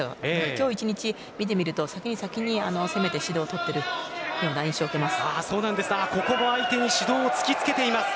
今日一日見てみると先に攻めて指導を取っているような印象を受けます。